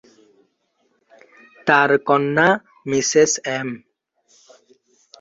তাঁর কন্যা, Mrs M.